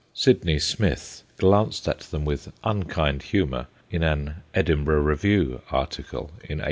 Sydney Smith glanced at them with unkind humour in an Edin burgh Review article in 1810.